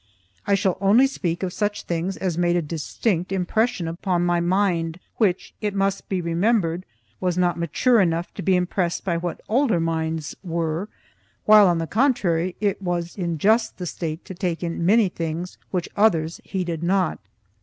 I shall only speak of such things as made a distinct impression upon my mind, which, it must be remembered, was not mature enough to be impressed by what older minds were, while on the contrary it was in just the state to take in many things which others heeded not.